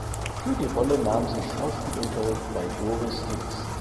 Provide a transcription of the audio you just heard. Für die Rolle nahm sie Schauspielunterricht bei Doris Hicks.